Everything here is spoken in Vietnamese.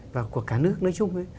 và của cả nước nói chung